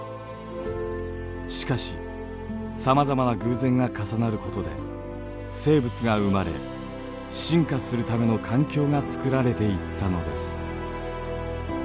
しかしさまざまな偶然が重なることで生物が生まれ進化するための環境がつくられていったのです。